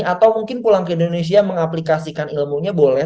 atau mungkin pulang ke indonesia mengaplikasikan ilmunya boleh